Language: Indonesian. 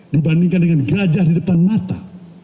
dibandingkan dengan gajah di depan mata